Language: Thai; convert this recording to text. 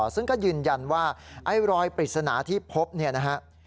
ซึ่งก็ยืนยันว่าไอ้รอยปริศนาที่พบเนี่ยนะฮะ